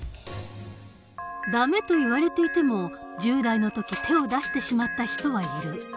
「ダメ」と言われていても１０代の時手を出してしまった人はいる。